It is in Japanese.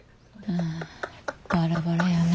あぁバラバラよね。